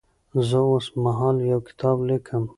زه اوس مهال یو کتاب لیکم.